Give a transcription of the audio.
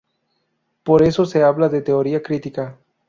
Por eso se habla de Teoría Crítica.